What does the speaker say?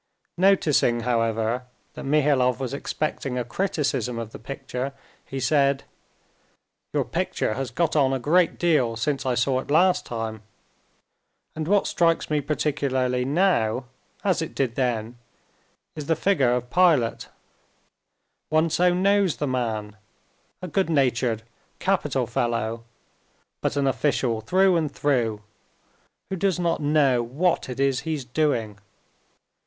Noticing, however, that Mihailov was expecting a criticism of the picture, he said: "Your picture has got on a great deal since I saw it last time; and what strikes me particularly now, as it did then, is the figure of Pilate. One so knows the man: a good natured, capital fellow, but an official through and through, who does not know what it is he's doing.